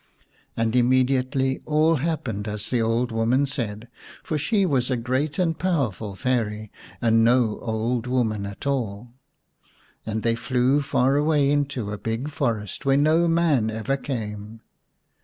And immediately all happened as the old woman said, for she was a great and powerful Fairy and no old woman at all. And they flew far away into a big forest where no man ever came.